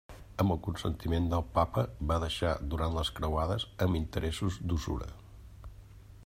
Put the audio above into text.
Amb el consentiment del Papa va deixar durant les croades amb interessos d'usura.